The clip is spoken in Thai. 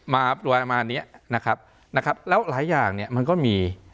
มาตรวจมาอันนี้นะครับแล้วหลายอย่างเนี่ยมันก็มี